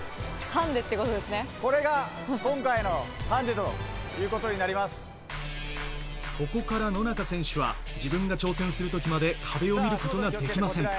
これが今回のハンデというこここから野中選手は、自分が挑戦するときまで壁を見ることができません。